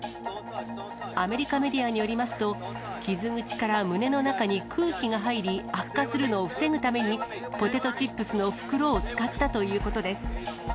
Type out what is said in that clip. アメリカメディアによりますと、傷口から胸の中に空気が入り悪化するのを防ぐために、ポテトチップスの袋を使ったということです。